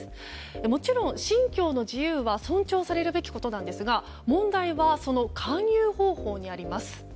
もちろん信教の自由は尊重されるべきことなんですが問題はその勧誘方法にあります。